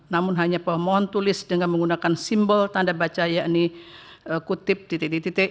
namun hanya pemohon tulis dengan menggunakan simbol tanda baca yakni kutip di titik titik